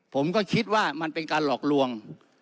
ผมก็คิดว่ามันเป็นการหลอกลวง